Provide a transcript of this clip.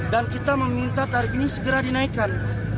dan kita meminta tarif ini segera dinaikkan